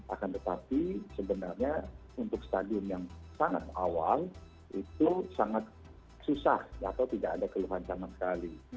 akan tetapi sebenarnya untuk stadion yang sangat awal itu sangat susah atau tidak ada keluhan sama sekali